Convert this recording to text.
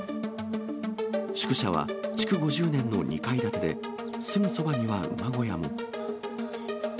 宿舎は築５０年の２階建てで、すぐそばには馬小屋も。